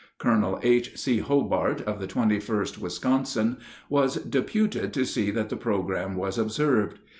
Colonel H.C. Hobart, of the 21st Wisconsin, was deputed to see that the program was observed.